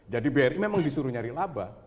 jadi bri memang disuruh nyari laba